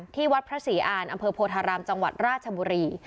ที่วัดพระศรีอานอำเภอโพธารามจังหวัดราชบุรี